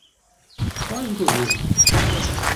Quais governos?